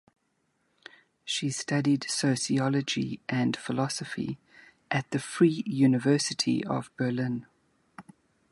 She studied sociology and philosophy at the Free University of Berlin.